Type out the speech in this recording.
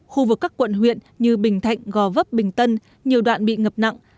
khu vực các quận huyện như bình thạnh gò vấp bình tân nhiều đoạn bị ngập nặng